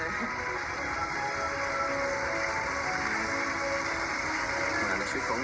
ขอบคุณทุกคน